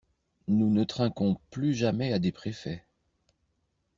Nous ne trinquons plus jamais à des préfets.